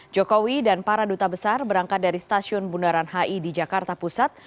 jokowi dan para duta besar berangkat dari stasiun bundaran hi di jakarta pusat